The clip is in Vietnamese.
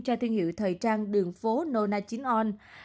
cho thương hiệu thời trang đường phố nona chin on